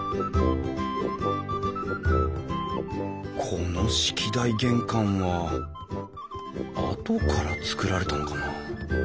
この式台玄関は後から造られたのかなあ